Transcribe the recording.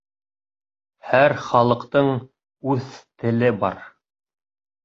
Һәр халыҡтың үҙ теле бар